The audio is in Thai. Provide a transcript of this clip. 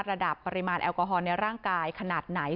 ระดับปริมาณแอลกอฮอลในร่างกายขนาดไหน